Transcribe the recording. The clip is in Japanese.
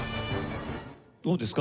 どうですか？